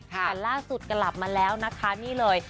ค่ะเป็นล่าสุดกลับมาแล้วนะคะนี่เลย